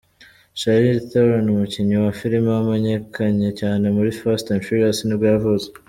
Chalrize Theron, umukinnyi wa filime wamenyekanye cyane muri Fast& Furious nibwo yavutse .